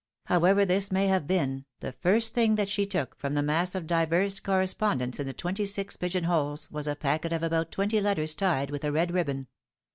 However this may have been, the first thing that she took from the mass of divers correspondence in the twenty six pigeon holes was a packet of about twenty letters tied with a red ribbon.